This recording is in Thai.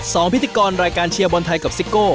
พิธีกรรายการเชียร์บอลไทยกับซิโก้